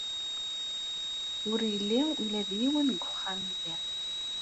Ur yelli ula d yiwen deg uxxam-nni.